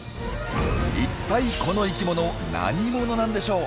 一体この生き物何者なんでしょう？